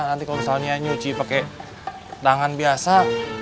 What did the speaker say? nanti kalau misalnya nyuci pakai tangan biasa